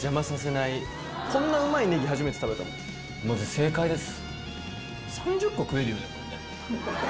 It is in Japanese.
正解です。